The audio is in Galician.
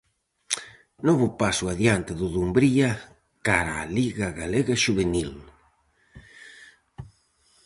Novo paso adiante do Dumbría cara á liga galega xuvenil.